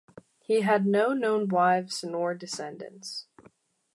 He had no known wives nor descendants.